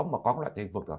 mà có lại thành phần